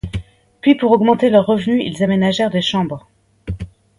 Puis pour augmenter leurs revenus ils aménagèrent des chambres.